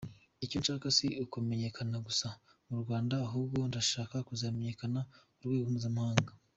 Icyo nshaka si ukumenyekana gusa mu Rwanda ahubwo ndashaka kuzamenyekana ku rwego mpuzamahanga.